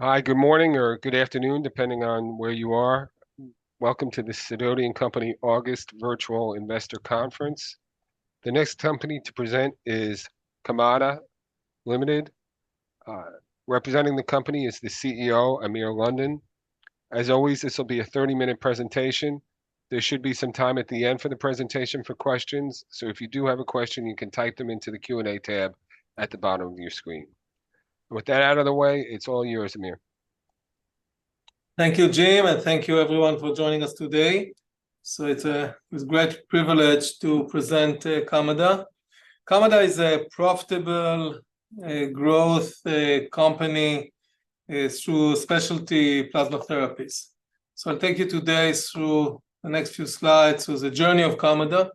Hi, good morning or good afternoon, depending on where you are. Welcome to the Sidoti & Company August Virtual Investor Conference. The next company to present is Kamada Ltd. Representing the company is the CEO, Amir London. As always, this will be a 30-minute presentation. There should be some time at the end for the presentation for questions, so if you do have a question, you can type them into the Q&A tab at the bottom of your screen. With that out of the way, it's all yours, Amir. Thank you, Jim, and thank you everyone for joining us today. So it's great privilege to present Kamada. Kamada is a profitable, growth, company through specialty plasma therapies. So I'll take you today through the next few slides with the journey of Kamada.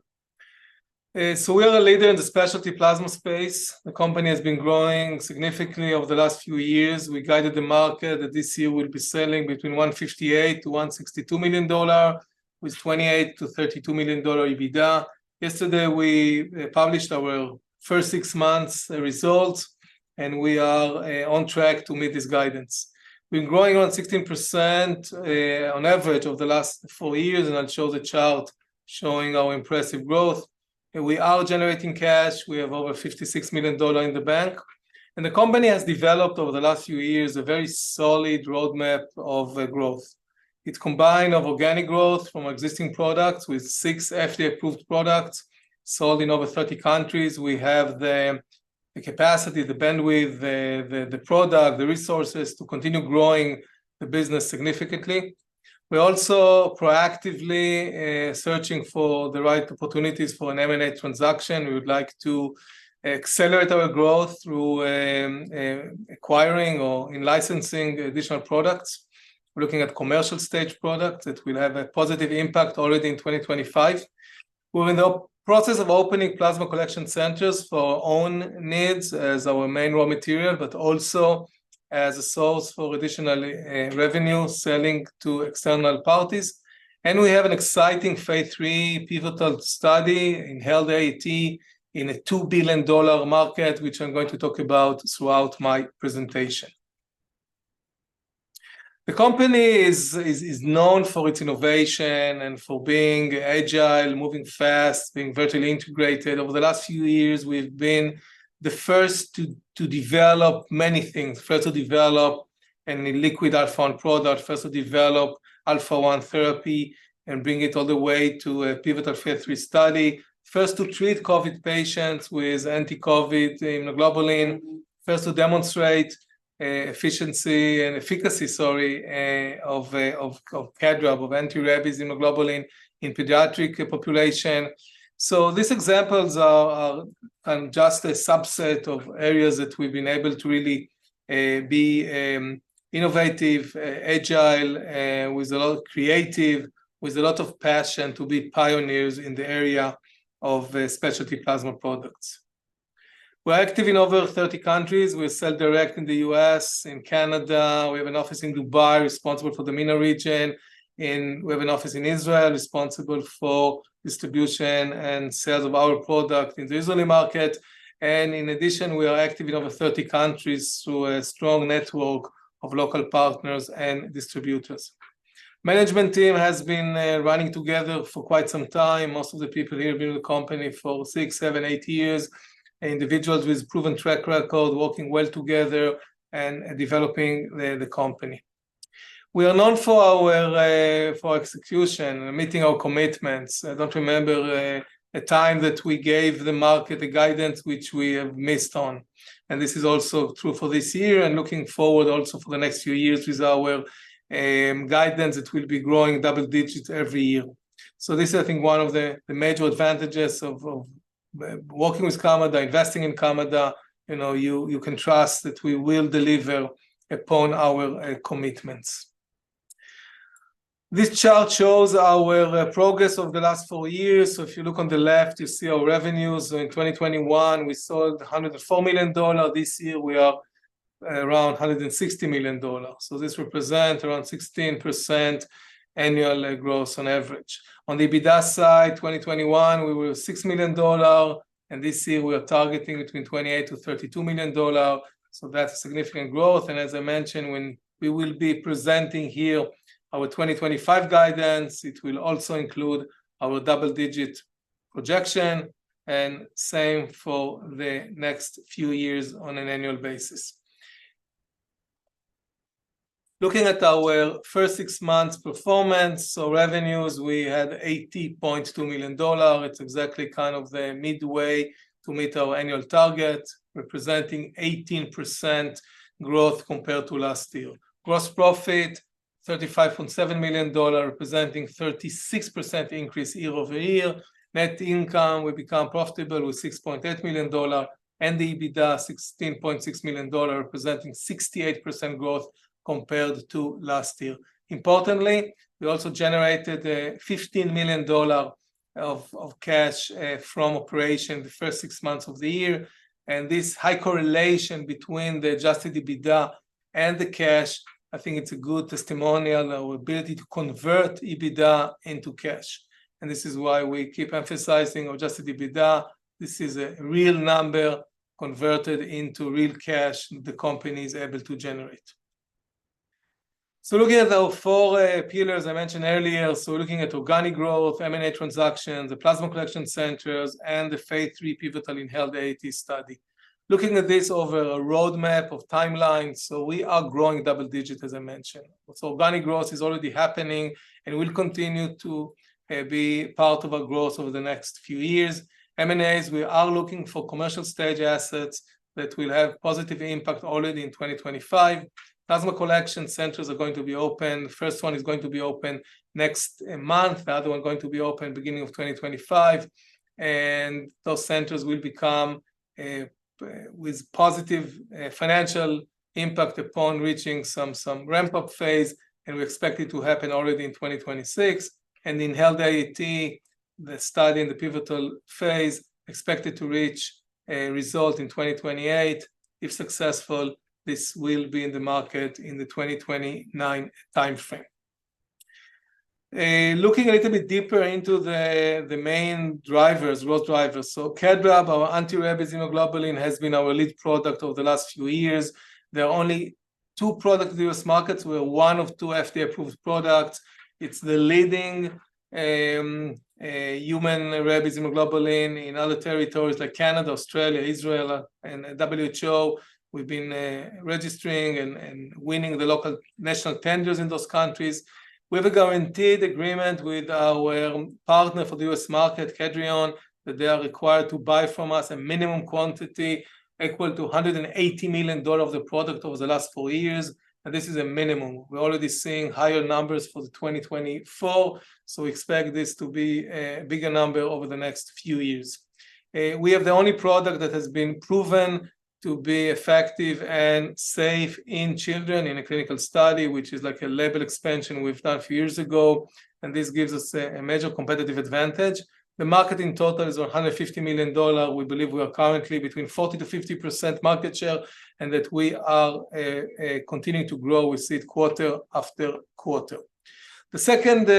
So we are a leader in the specialty plasma space. The company has been growing significantly over the last few years. We guided the market that this year we'll be selling between $158 million-$162 million, with $28 million-$32 million EBITDA. Yesterday, we published our first six months results, and we are on track to meet this guidance. We've been growing around 16% on average over the last four years, and I'll show the chart showing our impressive growth. And we are generating cash. We have over $56 million in the bank. And the company has developed, over the last few years, a very solid roadmap of growth. It's combined of organic growth from existing products with six FDA-approved products sold in over 30 countries. We have the capacity, the bandwidth, the product, the resources to continue growing the business significantly. We're also proactively searching for the right opportunities for an M&A transaction. We would like to accelerate our growth through acquiring or in-licensing additional products. We're looking at commercial stage products that will have a positive impact already in 2025. We're in the process of opening plasma collection centers for our own needs as our main raw material, but also as a source for additional revenue, selling to external parties. We have an exciting phase III pivotal study in AAT in a $2 billion market, which I'm going to talk about throughout my presentation. The company is known for its innovation and for being agile, moving fast, being vertically integrated. Over the last few years, we've been the first to develop many things. First to develop a liquid Alpha-1 product, first to develop Alpha-1 therapy and bring it all the way to a pivotal phase III study. First to treat COVID patients with anti-COVID immunoglobulin. First to demonstrate efficiency and efficacy, sorry, of KEDRAB, of anti-rabies immunoglobulin in pediatric population. So these examples are just a subset of areas that we've been able to really be innovative, agile, with a lot of creative, with a lot of passion to be pioneers in the area of specialty plasma products. We're active in over 30 countries. We sell direct in the U.S., in Canada. We have an office in Dubai, responsible for the MENA region, and we have an office in Israel, responsible for distribution and sales of our product in the Israeli market. In addition, we are active in over 30 countries through a strong network of local partners and distributors. Management team has been running together for quite some time. Most of the people here have been with the company for six, seven, eight years. Individuals with proven track record, working well together and developing the company. We are known for our, for execution, meeting our commitments. I don't remember, a time that we gave the market a guidance which we have missed on. And this is also true for this year, and looking forward, also, for the next few years with our, guidance, it will be growing double digits every year. So this is, I think, one of the, the major advantages of, of, working with Kamada, investing in Kamada. You know, you, you can trust that we will deliver upon our, commitments. This chart shows our, progress over the last four years. So if you look on the left, you see our revenues. In 2021, we sold $104 million. This year, we are, around $160 million. So this represent around 16% annual, growth on average. On the EBITDA side, 2021, we were $6 million, and this year, we are targeting between $28 million-$32 million, so that's significant growth. And as I mentioned, when we will be presenting here our 2025 guidance, it will also include our double-digit projection, and same for the next few years on an annual basis. Looking at our first six months' performance, so revenues, we had $80.2 million. It's exactly kind of the midway to meet our annual target, representing 18% growth compared to last year. Gross profit, $35.7 million, representing 36% increase year-over-year. Net income, we become profitable with $6.8 million, and the EBITDA, $16.6 million, representing 68% growth compared to last year. Importantly, we also generated $15 million of cash from operations in the first six months of the year, and this high correlation between the adjusted EBITDA and the cash, I think it's a good testament to our ability to convert EBITDA into cash. This is why we keep emphasizing adjusted EBITDA. This is a real number converted into real cash the company is able to generate... So looking at our four pillars I mentioned earlier, so we're looking at organic growth, M&A transactions, the plasma collection centers, and the phase III pivotal inhaled AAT study. Looking at this over a roadmap of timelines, so we are growing double-digit, as I mentioned. So organic growth is already happening and will continue to be part of our growth over the next few years. M&As, we are looking for commercial stage assets that will have positive impact already in 2025. Plasma collection centers are going to be open. The first one is going to be open next month. The other one going to be open beginning of 2025, and those centers will become with positive financial impact upon reaching some ramp-up phase, and we expect it to happen already in 2026. And in Inhaled AAT, the study in the pivotal phase expected to reach a result in 2028. If successful, this will be in the market in the 2029 timeframe. Looking a little bit deeper into the main drivers, growth drivers, so KEDRAB, our anti-rabies immunoglobulin, has been our lead product over the last few years. There are only two products in the U.S. market. We are one of two FDA-approved products. It's the leading human rabies immunoglobulin in other territories like Canada, Australia, Israel, and WHO. We've been registering and winning the local national tenders in those countries. We have a guaranteed agreement with our partner for the U.S. market, Kedrion, that they are required to buy from us a minimum quantity equal to $180 million of the product over the last four years, and this is a minimum. We're already seeing higher numbers for the 2024, so we expect this to be a bigger number over the next few years. We have the only product that has been proven to be effective and safe in children in a clinical study, which is like a label expansion we've done a few years ago, and this gives us a major competitive advantage. The market in total is $150 million. We believe we are currently between 40%-50% market share, and that we are continuing to grow. We see it quarter after quarter. The second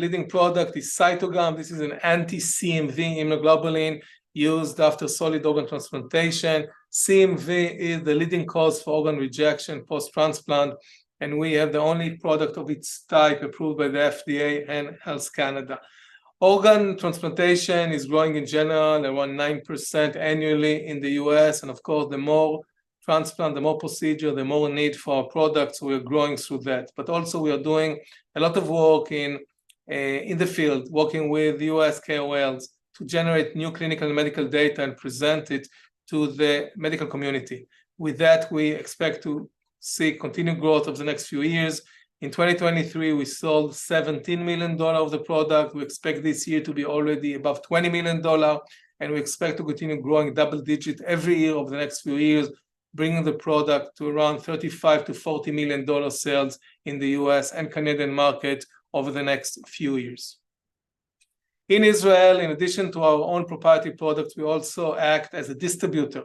leading product is CYTOGAM. This is an anti-CMV immunoglobulin used after solid organ transplantation. CMV is the leading cause for organ rejection post-transplant, and we have the only product of its type approved by the FDA and Health Canada. Organ transplantation is growing in general, around 9% annually in the U.S., and of course, the more transplant, the more procedure, the more need for our products. We are growing through that. But also, we are doing a lot of work in the field, working with the U.S. KOLs to generate new clinical and medical data and present it to the medical community. With that, we expect to see continued growth over the next few years. In 2023, we sold $17 million of the product. We expect this year to be already above $20 million, and we expect to continue growing double digit every year over the next few years, bringing the product to around $35 million-$40 million sales in the U.S. and Canadian market over the next few years. In Israel, in addition to our own proprietary products, we also act as a distributor,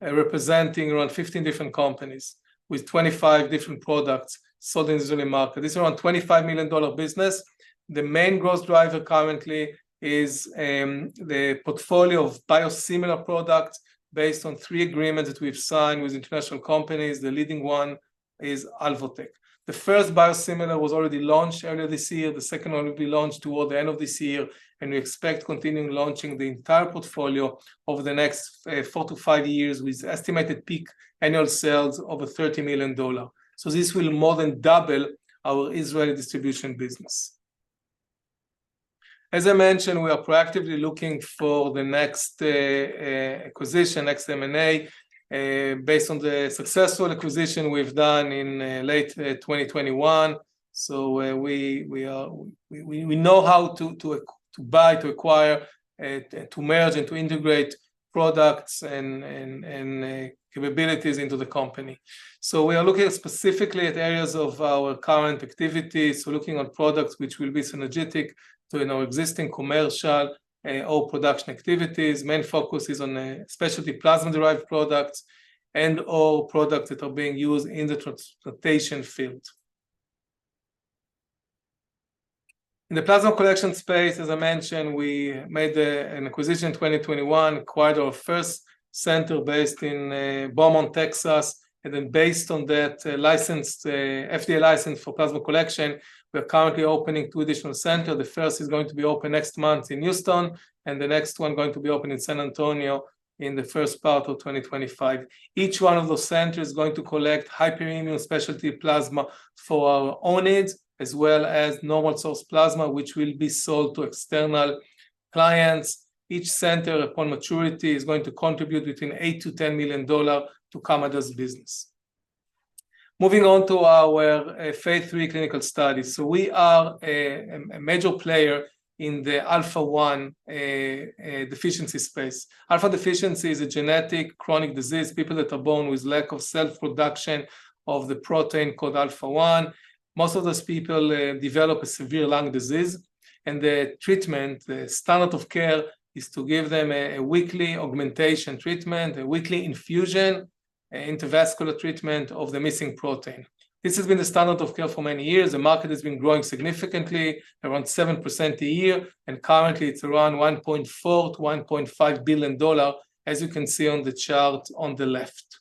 representing around 15 different companies with 25 different products sold in Israeli market. This is around a $25 million business. The main growth driver currently is the portfolio of biosimilar products based on three agreements that we've signed with international companies. The leading one is Alvotech. The first biosimilar was already launched earlier this year. The second one will be launched toward the end of this year, and we expect continuing launching the entire portfolio over the next four to five years, with estimated peak annual sales over $30 million. So this will more than double our Israeli distribution business. As I mentioned, we are proactively looking for the next acquisition, next M&A, based on the successful acquisition we've done in late 2021. So we are-- we know how to buy, to acquire, to merge, and to integrate products and capabilities into the company. So we are looking specifically at areas of our current activities. We're looking at products which will be synergetic to, you know, existing commercial or production activities. Main focus is on specialty plasma-derived products and/or products that are being used in the transplantation field. In the plasma collection space, as I mentioned, we made an acquisition in 2021, acquired our first center based in Beaumont, Texas, and then based on that license, FDA license for plasma collection, we are currently opening two additional center. The first is going to be open next month in Houston, and the next one going to be open in San Antonio in the first part of 2025. Each one of those centers is going to collect hyperimmune specialty plasma for our own needs, as well as normal source plasma, which will be sold to external clients. Each center, upon maturity, is going to contribute between $8 million-$10 million to Kamada's business. Moving on to our phase III clinical study. So we are a major player in the Alpha-1 deficiency space. Alpha-1 deficiency is a genetic chronic disease, people that are born with lack of self-production of the protein called Alpha-1. Most of those people develop a severe lung disease, and the treatment, the standard of care, is to give them a weekly augmentation treatment, a weekly infusion, intravascular treatment of the missing protein. This has been the standard of care for many years. The market has been growing significantly, around 7% a year, and currently, it's around $1.4-$1.5 billion, as you can see on the chart on the left.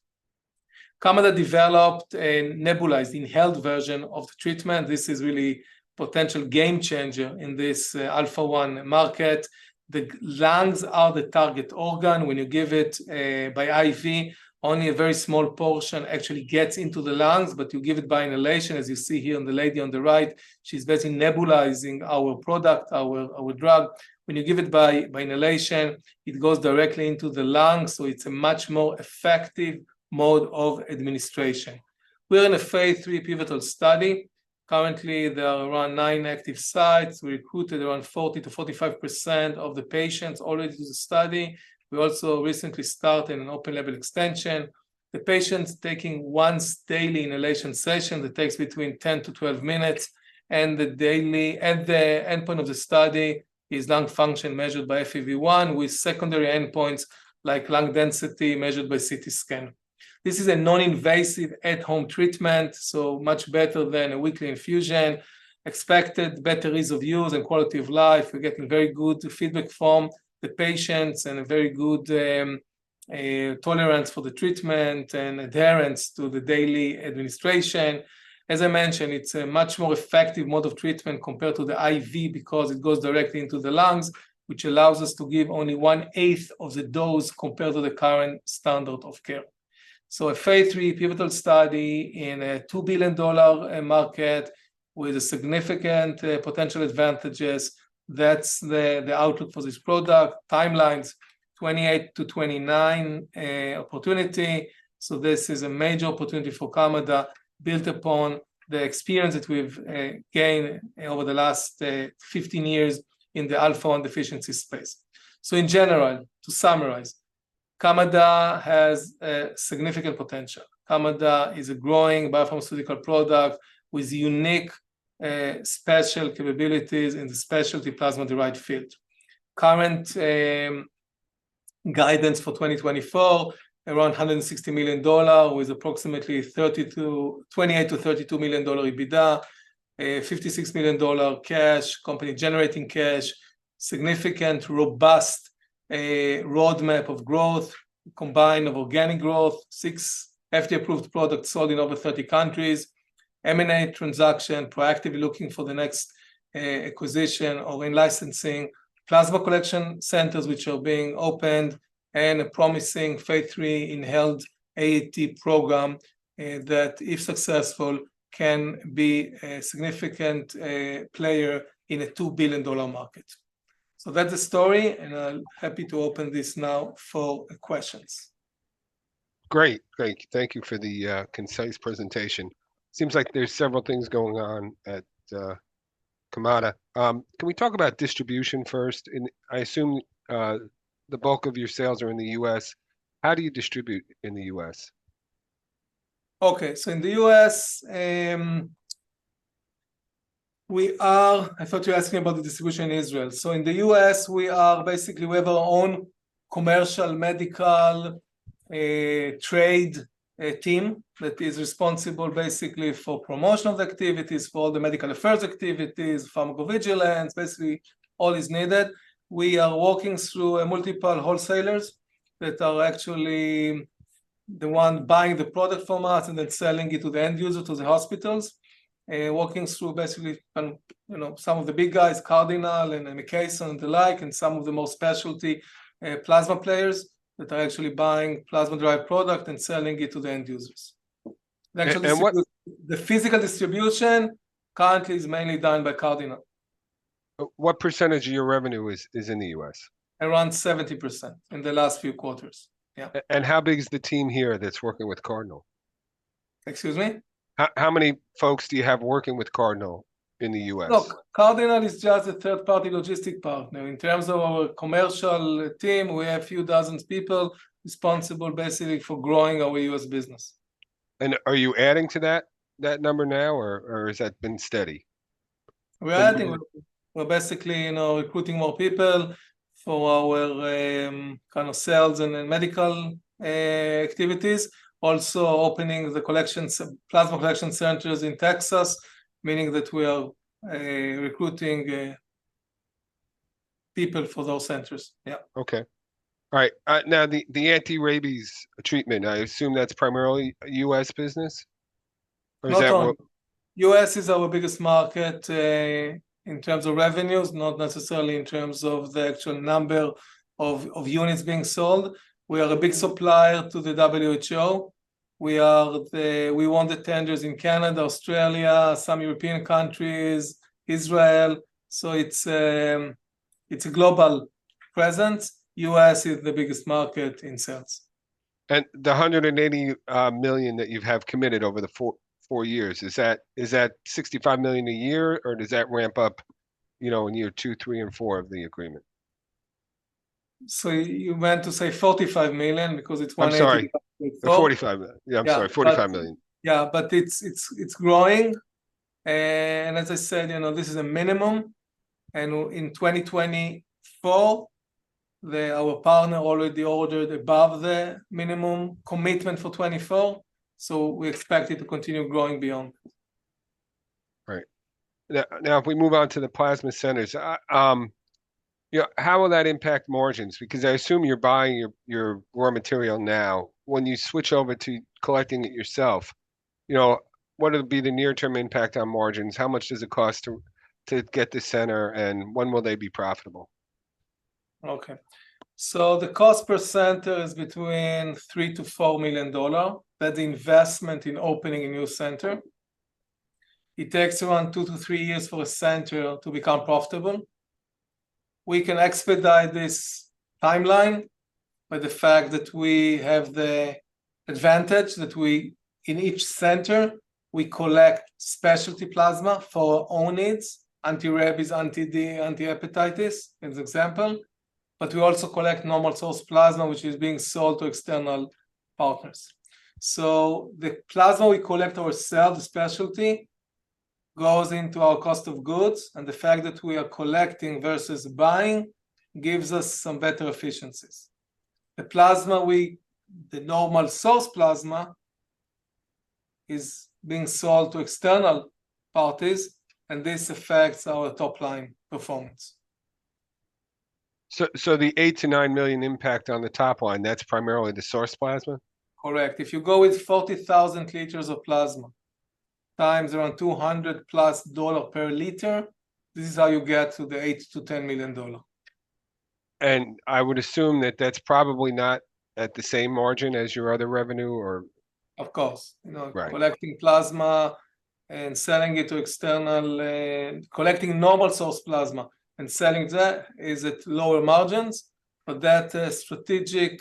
Kamada developed a nebulized inhaled version of the treatment. This is really potential game changer in this Alpha-1 market. The lungs are the target organ. When you give it by IV, only a very small portion actually gets into the lungs, but you give it by inhalation, as you see here on the lady on the right, she's basically nebulizing our product, our drug. When you give it by inhalation, it goes directly into the lungs, so it's a much more effective mode of administration. We're in a phase III pivotal study. Currently, there are around nine active sites. We recruited around 40%-45% of the patients already in the study. We also recently started an open-label extension. The patients taking once daily inhalation session that takes between 10-12 minutes, and the endpoint of the study is lung function measured by FEV1, with secondary endpoints, like lung density, measured by CT scan. This is a non-invasive at-home treatment, so much better than a weekly infusion. Expected better ease of use and quality of life. We're getting very good feedback from the patients, and a very good tolerance for the treatment, and adherence to the daily administration. As I mentioned, it's a much more effective mode of treatment compared to the IV because it goes directly into the lungs, which allows us to give only one-eighth of the dose compared to the current standard of care. So a phase III pivotal study in a $2 billion market with significant potential advantages. That's the outlook for this product. Timelines, 2028 to 2029 opportunity. So this is a major opportunity for Kamada, built upon the experience that we've gained over the last 15 years in the Alpha-1 deficiency space. So in general, to summarize, Kamada has significant potential. Kamada is a growing biopharmaceutical product with unique, special capabilities in the specialty plasma-derived field. Current guidance for 2024, around $160 million, with approximately $28-$32 million EBITDA, $56 million cash, company generating cash, significant, robust, roadmap of growth, combined of organic growth, six FDA-approved products sold in over thirty countries, M&A transaction, proactively looking for the next, acquisition or in-licensing. Plasma collection centers, which are being opened, and a promising phase III inhaled AAT program, that, if successful, can be a significant, player in a $2 billion market. So that's the story, and I'm happy to open this now for questions. Great. Thank you for the concise presentation. Seems like there's several things going on at Kamada. Can we talk about distribution first? And I assume the bulk of your sales are in the U.S. How do you distribute in the U.S.? Okay. So in the US, we are... I thought you were asking about the distribution in Israel. So in the U.S., we are basically, we have our own commercial, medical, trade team that is responsible basically for promotional activities, for the medical affairs activities, pharmacovigilance. Basically, all is needed. We are working through multiple wholesalers that are actually the one buying the product from us and then selling it to the end user, to the hospitals. Working through basically, you know, some of the big guys, Cardinal and McKesson and the like, and some of the more specialty plasma players that are actually buying plasma-derived product and selling it to the end users. And what- The physical distribution currently is mainly done by Cardinal. What percentage of your revenue is in the U.S.? Around 70% in the last few quarters. Yeah. How big is the team here that's working with Cardinal? Excuse me? How many folks do you have working with Cardinal in the US? Look, Cardinal is just a third-party logistics partner. In terms of our commercial team, we have a few dozens people responsible basically for growing our U.S. business. Are you adding to that, that number now, or, or has that been steady? We're adding. We're basically, you know, recruiting more people for our kind of sales and medical activities. Also opening the plasma collection centers in Texas, meaning that we are recruiting people for those centers. Yeah. Okay. All right, now, the anti-rabies treatment, I assume that's primarily a U.S. business? Or is that what- Not all. U.S. is our biggest market, in terms of revenues, not necessarily in terms of the actual number of units being sold. We are a big supplier to the WHO. We are the. We won the tenders in Canada, Australia, some European countries, Israel, so it's a global presence. U.S. is the biggest market in sales. And the $180 million that you have committed over the four years, is that $65 million a year, or does that ramp up, you know, in year two, three, and four of the agreement? So you meant to say $45 million because it's 180- I'm sorry. divided by four. $45 million. Yeah. Yeah, I'm sorry, $45 million. Yeah, but it's growing. And as I said, you know, this is a minimum, and in 2024, our partner already ordered above the minimum commitment for 2024, so we expect it to continue growing beyond four.... Right. Now, if we move on to the plasma centers, how will that impact margins? Because I assume you're buying your raw material now. When you switch over to collecting it yourself, you know, what would be the near-term impact on margins? How much does it cost to get the center, and when will they be profitable? Okay. So the cost per center is between $3 million-$4 million. That's the investment in opening a new center. It takes around two to three years for a center to become profitable. We can expedite this timeline by the fact that we have the advantage that we, in each center, we collect specialty plasma for our own needs, anti-rabies, anti-D, anti-hepatitis, as example, but we also collect normal source plasma, which is being sold to external partners. So the plasma we collect ourselves, the specialty, goes into our cost of goods, and the fact that we are collecting versus buying gives us some better efficiencies. The normal source plasma is being sold to external parties, and this affects our top-line performance. So, the $8 million-$9 million impact on the top line, that's primarily the source plasma? Correct. If you go with 40,000 liters of plasma, times around 200+ dollars per liter, this is how you get to the $8 million-$10 million. I would assume that that's probably not at the same margin as your other revenue, or? Of course. Right. You know, collecting plasma and selling it to external, collecting normal source plasma and selling that is at lower margins, but that's a strategic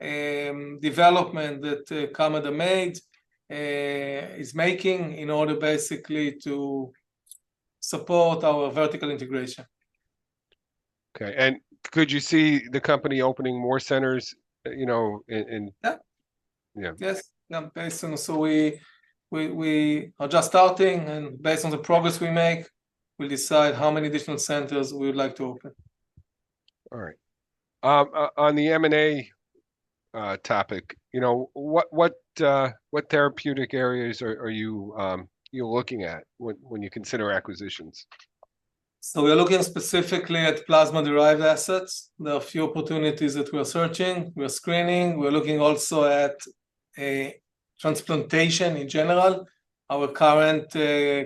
development that Kamada made, is making, in order basically to support our vertical integration. Okay. Could you see the company opening more centers, you know, in— Yeah. Yeah. Yes. Yeah, based on... So we are just starting, and based on the progress we make, we'll decide how many additional centers we would like to open. All right. On the M&A topic, you know, what therapeutic areas are you looking at when you consider acquisitions? So we're looking specifically at plasma-derived assets. There are a few opportunities that we are searching, we are screening. We're looking also at transplantation in general. Our current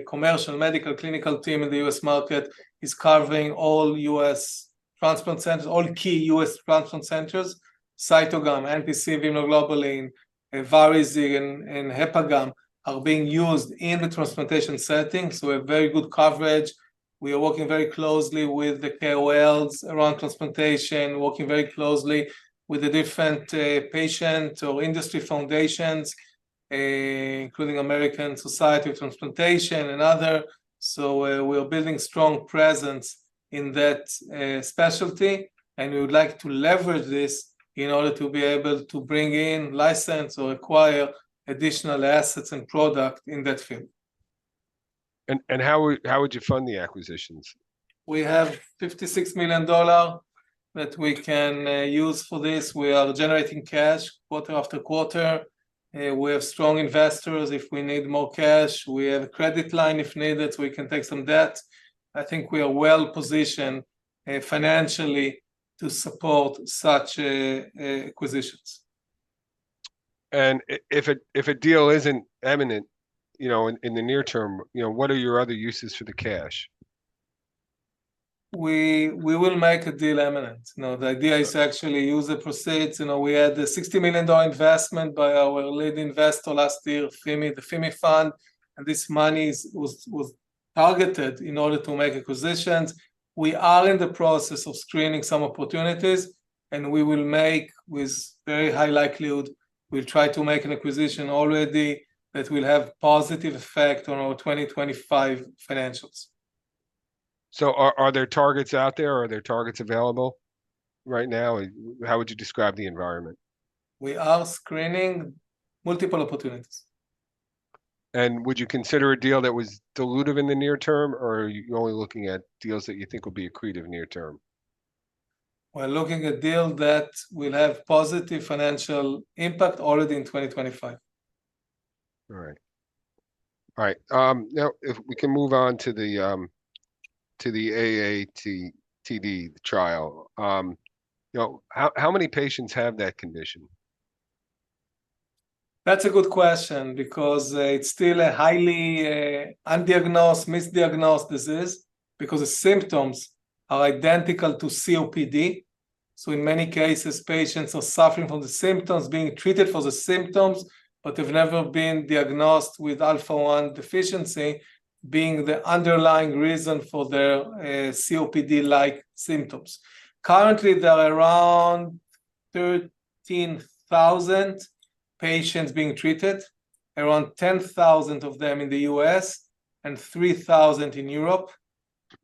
commercial, medical, clinical team in the U.S. market is covering all U.S. transplant centers, all key U.S. transplant centers. CYTOGAM, WinRho SDF, VARIZIG, and HEPAGAM are being used in the transplantation settings, so we have very good coverage. We are working very closely with the KOLs around transplantation, working very closely with the different patient or industry foundations, including American Society of Transplantation and other. So we are building strong presence in that specialty, and we would like to leverage this in order to be able to bring in, license, or acquire additional assets and product in that field. How would you fund the acquisitions? We have $56 million that we can use for this. We are generating cash quarter after quarter. We have strong investors. If we need more cash, we have a credit line if needed, we can take some debt. I think we are well-positioned financially to support such acquisitions. If a deal isn't imminent, you know, in the near term, you know, what are your other uses for the cash? We will make a deal imminent. No, the idea- Right... is to actually use the proceeds. You know, we had a $60 million investment by our lead investor last year, FIMI the FIMI Fund, and this money is, was, was targeted in order to make acquisitions. We are in the process of screening some opportunities, and we will make, with very high likelihood, we'll try to make an acquisition already that will have positive effect on our 2025 financials. So are, are there targets out there? Are there targets available right now? How would you describe the environment? We are screening multiple opportunities. Would you consider a deal that was dilutive in the near term, or are you only looking at deals that you think will be accretive near term? We're looking at a deal that will have positive financial impact already in 2025. All right. All right, now, if we can move on to the AATD, the trial. You know, how many patients have that condition? That's a good question because it's still a highly undiagnosed, misdiagnosed disease, because the symptoms are identical to COPD. So in many cases, patients are suffering from the symptoms, being treated for the symptoms, but they've never been diagnosed with Alpha-1 deficiency being the underlying reason for their COPD-like symptoms. Currently, there are around 13,000 patients being treated, around 10,000 of them in the U.S. and 3,000 in Europe.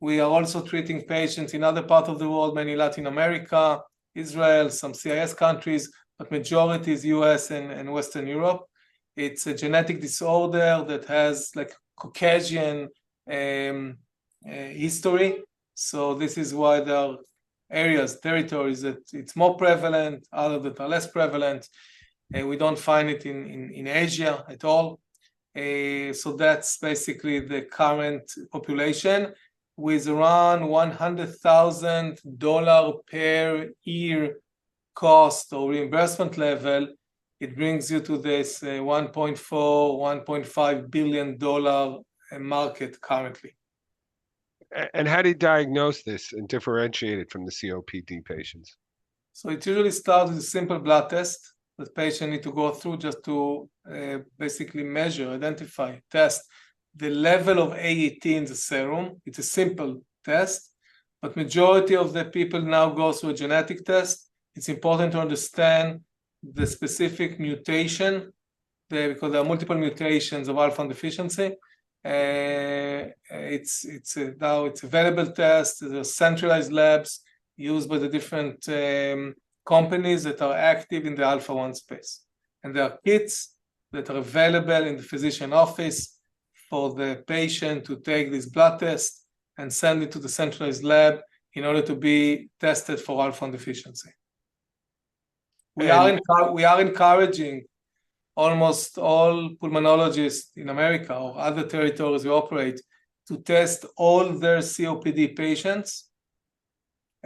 We are also treating patients in other parts of the world, many Latin America, Israel, some CIS countries, but majority is U.S. and Western Europe. It's a genetic disorder that has, like, Caucasian history, so this is why there are areas, territories, that it's more prevalent, other that are less prevalent, and we don't find it in Asia at all. That's basically the current population, with around $100,000 per year cost or reimbursement level. It brings you to this $1.4 billion-$1.5 billion market currently. How do you diagnose this and differentiate it from the COPD patients? So it usually starts with a simple blood test that patient need to go through just to, basically measure, identify, test the level of AAT in the serum. It's a simple test, but majority of the people now go through a genetic test. It's important to understand the specific mutation, because there are multiple mutations of Alpha-1 deficiency. Now it's available test. There's centralized labs used by the different, companies that are active in the Alpha-1 space, and there are kits that are available in the physician office for the patient to take this blood test and send it to the centralized lab in order to be tested for Alpha-1 deficiency. And- We are encouraging almost all pulmonologists in America or other territories we operate, to test all their COPD patients,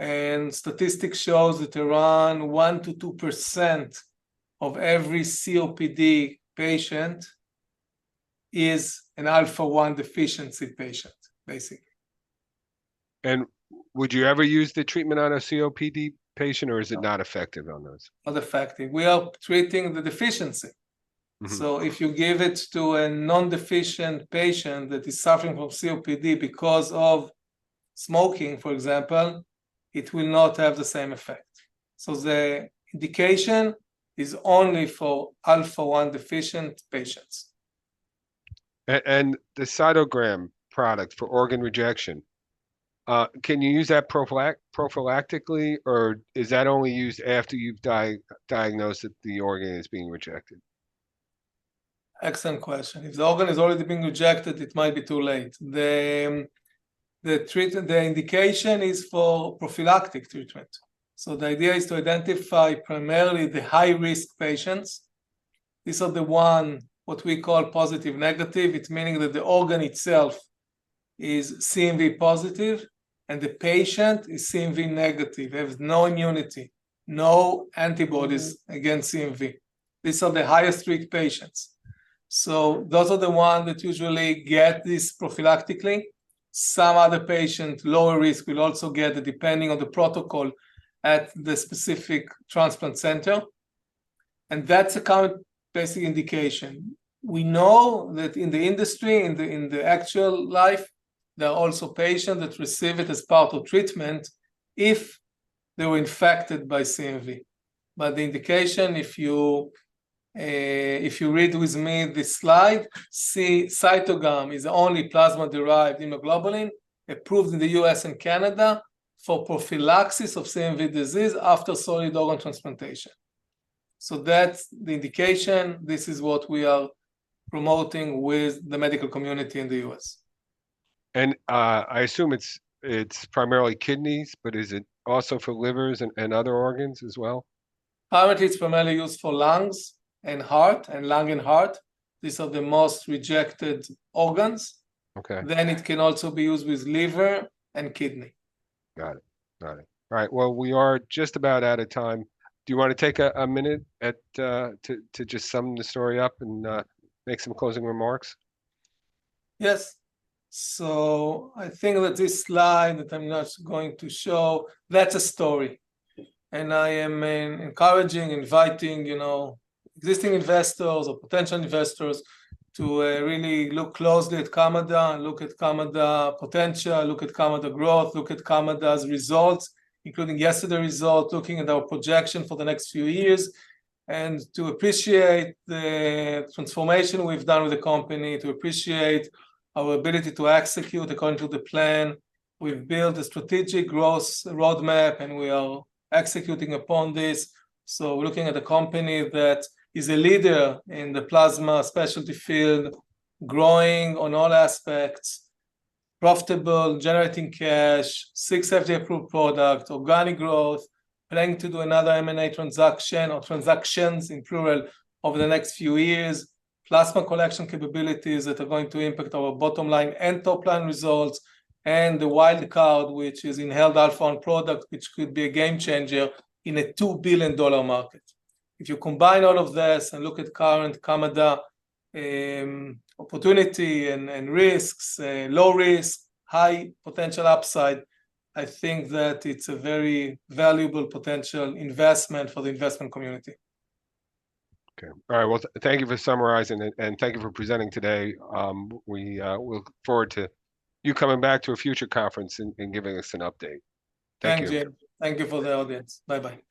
and statistics shows that around 1%-2% of every COPD patient is an Alpha-1 deficiency patient, basically. Would you ever use the treatment on a COPD patient? No... or is it not effective on those? Not effective. We are treating the deficiency. Mm-hmm. If you give it to a non-deficient patient that is suffering from COPD because of smoking, for example, it will not have the same effect. The indication is only for Alpha-1 deficient patients. And the CYTOGAM product for organ rejection, can you use that prophylactically, or is that only used after you've diagnosed that the organ is being rejected? Excellent question. If the organ has already been rejected, it might be too late. The, the indication is for prophylactic treatment, so the idea is to identify primarily the high risk patients. These are the one, what we call positive/negative. It's meaning that the organ itself is CMV positive, and the patient is CMV negative, has no immunity, no antibodies- Mm... against CMV. These are the highest risk patients. So those are the ones that usually get this prophylactically. Some other patient, lower risk, will also get it, depending on the protocol at the specific transplant center, and that's a current basic indication. We know that in the industry, in the actual life, there are also patients that receive it as part of treatment if they were infected by CMV. But the indication, if you read with me this slide, Cytogam is the only plasma-derived immunoglobulin approved in the U.S. and Canada for prophylaxis of CMV disease after solid organ transplantation. So that's the indication. This is what we are promoting with the medical community in the U.S. And, I assume it's primarily kidneys, but is it also for livers and other organs as well? Currently, it's primarily used for lungs and heart, and lung and heart. These are the most rejected organs. Okay. It can also be used with liver and kidney. Got it. Got it. All right, well, we are just about out of time. Do you want to take a minute to just sum the story up and make some closing remarks? Yes. I think that this slide that I'm not going to show, that's a story. Okay. I am encouraging, inviting, you know, existing investors or potential investors to really look closely at Kamada and look at Kamada potential, look at Kamada growth, look at Kamada's results, including yesterday result, looking at our projection for the next few years, and to appreciate the transformation we've done with the company, to appreciate our ability to execute according to the plan. We've built a strategic growth roadmap, and we are executing upon this. So we're looking at a company that is a leader in the plasma specialty field, growing on all aspects, profitable, generating cash, 6 FDA approved product, organic growth, planning to do another M&A transaction or transactions, in plural, over the next few years, plasma collection capabilities that are going to impact our bottom line and top line results, and the wild card, which is Inhaled Alpha-1 product, which could be a game changer in a $2 billion market. If you combine all of this and look at current Kamada, opportunity and risks, low risk, high potential upside, I think that it's a very valuable potential investment for the investment community. Okay. All right, well, thank you for summarizing and, and thank you for presenting today. We, we look forward to you coming back to a future conference and, and giving us an update. Thank you. Thanks, Jim. Thank you for the audience. Bye-bye.